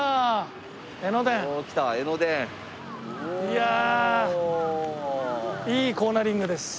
いやいいコーナリングです。